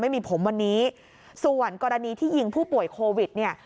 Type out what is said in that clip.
ไม่มีผมวันนี้ส่วนกรณีที่ยิงผู้ป่วยโควิดเนี่ย